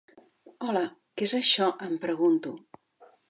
Hola, què és això, em pregunto.